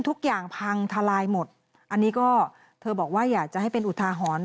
ทุกอย่างพังทลายหมดอันนี้ก็เธอบอกว่าอยากจะให้เป็นอุทาหรณ์